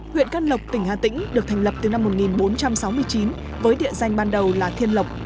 huyện căn lộc tỉnh hà tĩnh được thành lập từ năm một nghìn bốn trăm sáu mươi chín với địa danh ban đầu là thiên lộc